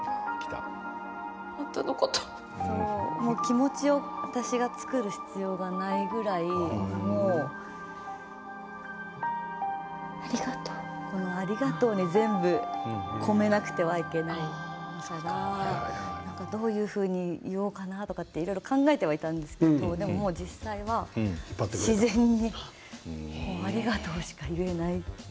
もう気持ちを私が作る必要がないぐらいありがとうに全部を込めなくてはいけなくてどういうふうに言おうかなといろいろ考えていたんですけれどでも実際は自然にありがとうしか言えない。